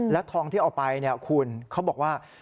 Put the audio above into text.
และทองที่เอาไปคุณเขาบอกว่า